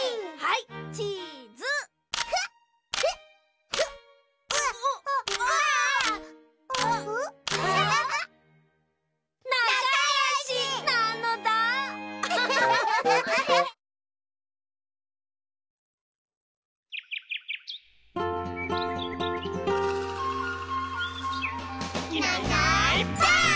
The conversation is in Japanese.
「いないいないばあっ！」